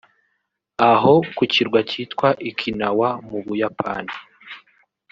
Aho ku kirwa cyitwa “Ikinawa”mu Buyapani